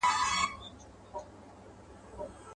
دا هېڅکله ستا شخصیت نه جوړوي